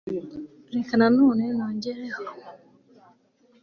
reka na none nongereho